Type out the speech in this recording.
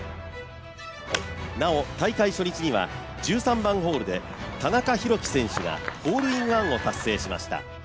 なお大会初日には１３番ホールで田中裕基選手がホールインワンを達成しました。